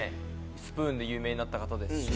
スプーンで有名になった方ですし。